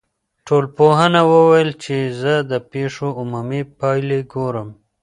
ټولنپوه وویل چي زه د پیښو عمومي پایلي ګورم.